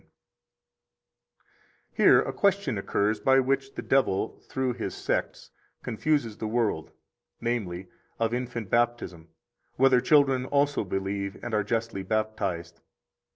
47 Here a question occurs by which the devil, through his sects, confuses the world, namely, Of Infant Baptism, whether children also believe, and are justly baptized.